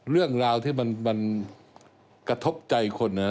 เรื่องราวที่มันกระทบใจคน